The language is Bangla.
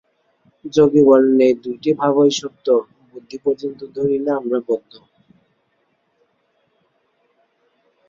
যোগী বলেন, এই দুইটি ভাবই সত্য, বুদ্ধি পর্যন্ত ধরিলে আমরা বদ্ধ।